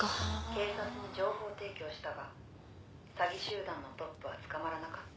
「警察に情報提供したが詐欺集団のトップは捕まらなかった」